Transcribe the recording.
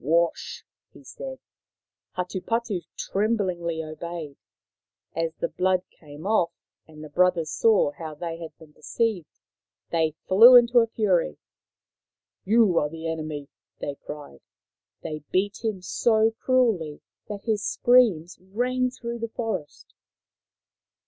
" Wash !" he said. Hatupatu tremblingly obeyed. As the blood came off, and the brothers saw how they had Hatupatu "3 been deceived, they flew into a fury. " You are the enemy !" they cried. They beat him so cruelly that his screams rang through the forest.